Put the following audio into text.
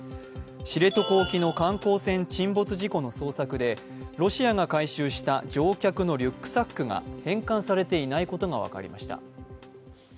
知床沖の観光船沈没事故の捜索で、ロシアが回収した乗客のリュックサックが返還されていないことが分かりました。